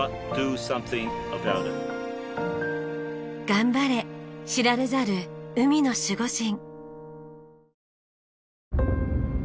頑張れ知られざる海の守護神！